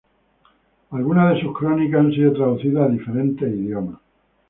Algunas de sus crónicas han sido traducidas a diferentes idiomas.